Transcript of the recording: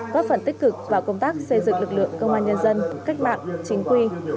góp phần tích cực vào công tác xây dựng lực lượng công an nhân dân cách mạng chính quy tinh nguyện hiện đại